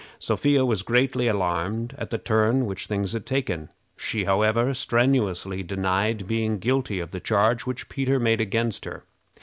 Sophia was greatly alarmed at the turn which things had taken. She, however, strenuously denied being guilty of the charge which Peter made against her.